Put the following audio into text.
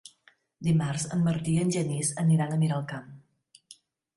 Dimarts en Martí i en Genís aniran a Miralcamp.